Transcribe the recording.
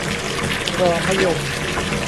รอมะยม